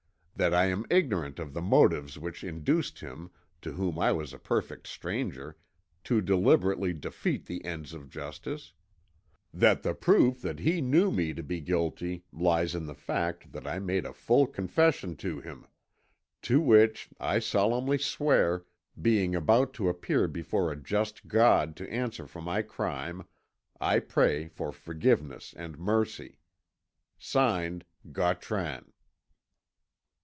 "That I am ignorant of the motives which induced him, to whom I was a perfect stranger, to deliberately defeat the ends of justice. "That the proof that he knew me to be guilty lies in the fact that I made a full confession to him. "To which I solemnly swear, being about to appear before a just God to answer for my crime. I pray for forgiveness and mercy. "Signed, Gautran."